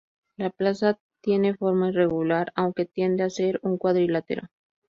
La plaza tiene forma irregular, aunque tiende a ser un cuadrilátero.